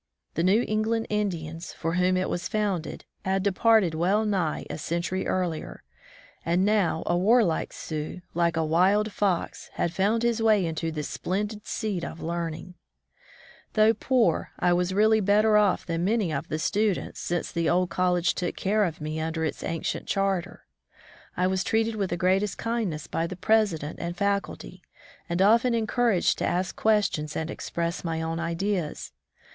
The New England Indians, for whom it was founded, had departed well nigh a century earlier, and now a warlike Sioux, like a wild fox, had found his way into this splendid seat of learning ! Though poor, I was really better off than many of the students, since the old college took care of me under its ancient charter. I was treated with the greatest kindness by the president and faculty, and often encouraged to ask questions and express my own ideas.